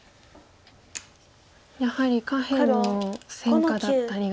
やはり下辺の戦果だったりが。